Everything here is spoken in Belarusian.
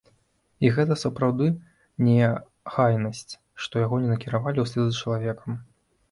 І гэта сапраўды неахайнасць, што яго не накіравалі ўслед за чалавекам.